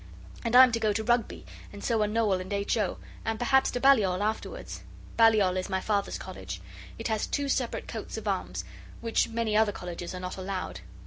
And I am to go to Rugby, and so are Noel and H. O., and perhaps to Balliol afterwards. Balliol is my Father's college. It has two separate coats of arms, which many other colleges are not allowed.